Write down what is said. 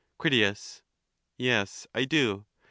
Crit. Yes, I do.